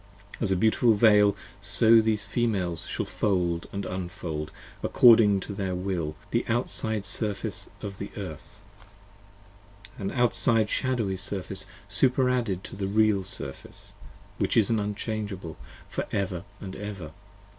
45 As a beautiful Veil so these Females shall fold & unfold According to their will the outside surface of the Earth, An outside shadowy Surface superadded to the real Surface: Which is unchangeable for ever & ever.